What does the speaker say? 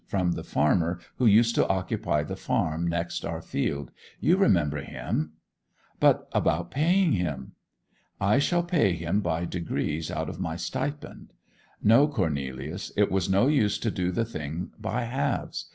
from the farmer who used to occupy the farm next our field. You remember him.' 'But about paying him?' 'I shall pay him by degrees out of my stipend. No, Cornelius, it was no use to do the thing by halves.